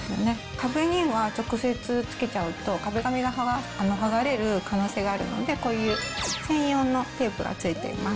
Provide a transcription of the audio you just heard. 壁には直接つけちゃうと、壁紙が剥がれる可能性があるので、こういう専用のテープがついています。